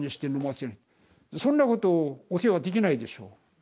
そんなことお世話できないでしょ